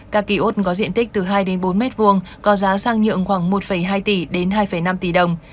các ký ốt có diện tích từ hai bốn mét vuông có giá sang nhượng khoảng một hai tỷ đến hai năm tỷ đồng